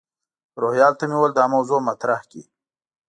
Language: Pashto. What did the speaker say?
روهیال ته مې وویل دا موضوع مطرح کړي.